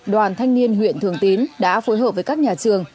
đoàn thanh niên huyện thường tín đã phối hợp với các nhà trường